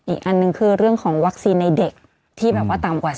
อีกอันหนึ่งคือเรื่องของวัคซีนในเด็กที่แบบว่าต่ำกว่า